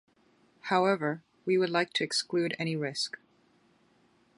However, we would like to exclude any risk.